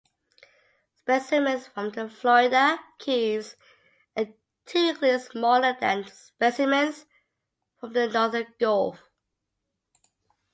Specimens from the Florida Keys are typically smaller than specimens from the northern Gulf.